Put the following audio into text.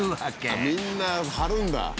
みんな貼るんだ！